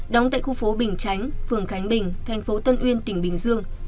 đóng tại khu phố bình chánh phường khánh bình thành phố tân uyên tỉnh bình dương